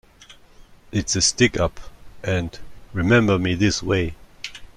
It's a Stick-Up", and "Remember Me This Way".